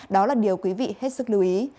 đó là điều quý vị hết sức lưu ý